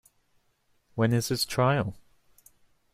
When is his trial?